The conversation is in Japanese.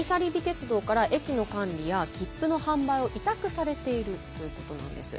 鉄道から駅の管理や切符の販売を委託されているということなんです。